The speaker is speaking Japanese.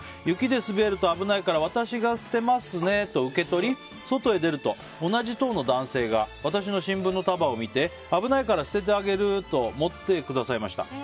雪で滑ると危ないから私が捨てますねと受け取り外へ出ると、同じ棟の男性が私の新聞の束を見て危ないから捨ててあげると持ってくださいました。